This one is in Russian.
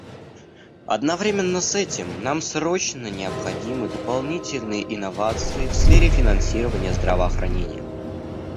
Одновременно с этим нам срочно необходимы дополнительные инновации в сфере финансирования здравоохранения.